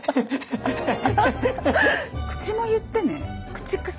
口も言ってね。